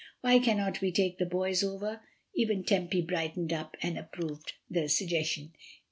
"Why cannot we take the boys over?" Even Tempy brightened up and approved of the suggestion.